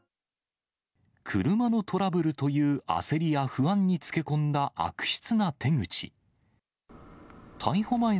車のトラブルという焦りや不安につけ込んだ悪質な手口。